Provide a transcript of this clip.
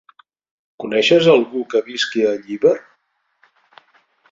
Coneixes algú que visqui a Llíber?